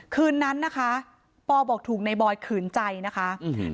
คืนนั้นนะคะปอบอกถูกในบอยขืนใจนะคะอืม